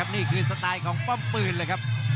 สไตล์ของป้อมปืนเลยครับ